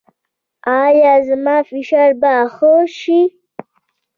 ایا زما فشار به ښه شي؟